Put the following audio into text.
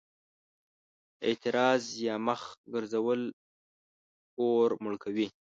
اعراض يا مخ ګرځول اور مړ کوي.